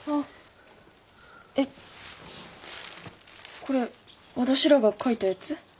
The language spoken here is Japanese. えっこれ私らが書いたやつ？